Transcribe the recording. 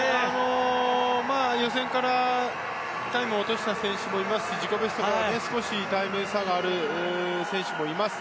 予選からタイムを落とした選手もいますし自己ベストと少しタイム差がある選手もいます。